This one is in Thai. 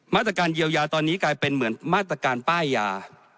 มาตรการเยียวยาตอนนี้กลายเป็นเหมือนมาตรการป้ายยา